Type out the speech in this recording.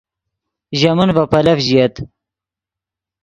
ژے من ڤے پیلف ژییت